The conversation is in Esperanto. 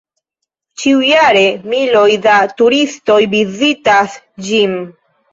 Ĉiujare miloj da turistoj vizitas ĝin.